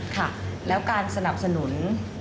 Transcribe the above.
ค่ะแล้วการสนับสนุน